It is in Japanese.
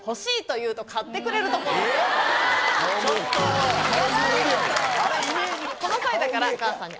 この際だからお母さんに。